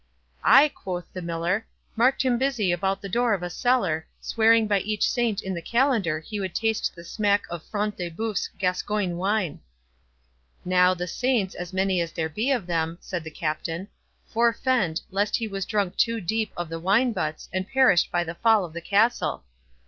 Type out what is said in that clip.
"I," quoth the Miller, "marked him busy about the door of a cellar, swearing by each saint in the calendar he would taste the smack of Front de Bœuf's Gascoigne wine." "Now, the saints, as many as there be of them," said the Captain, "forefend, lest he has drunk too deep of the wine butts, and perished by the fall of the castle!